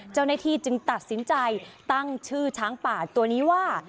เจ้าหน้าที่จึงตัดสินใจตั้งชื่อช้างป่าตัวนี้ว่า